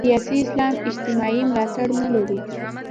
سیاسي اسلام اجتماعي ملاتړ نه لري.